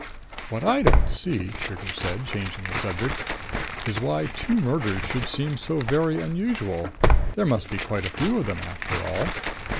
"What I don't see," Trigger said, changing the subject, "is why two murders should seem so very unusual. There must be quite a few of them, after all."